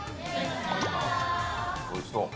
おいしそう。